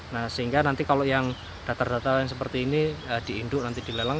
nah sehingga nanti kalau yang datar data yang seperti ini diinduk nanti dilelang